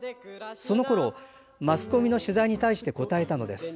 そのころマスコミの取材に対して答えたのです。